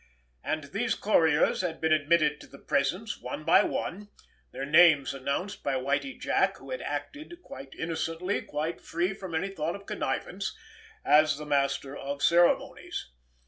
And these courtiers had been admitted to the presence one by one, their names announced by Whitie Jack, who had acted—quite innocently, quite free from any thought of connivance—as the master of ceremonies.